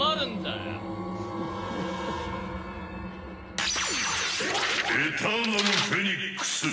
「エターナルフェニックス！」